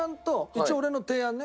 一応俺の提案ね。